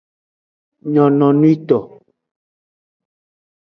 Nyononwi toto.